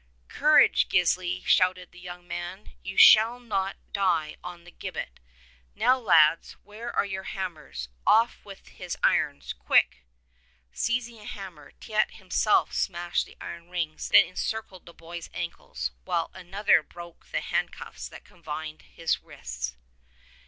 ''Courage, Gisli," shouted the young man, "you shall not die on the gibbet. Now, lads, where are your hammers? Off with his irons, quick !" Seizing a hammer, Teit himself smashed the iron rings that encircled the boy's ankles, while another broke the hand cuffs that confined his wrists.